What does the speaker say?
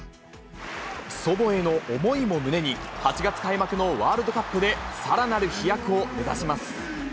祖母への思いも胸に、８月開幕のワールドカップでさらなる飛躍を目指します。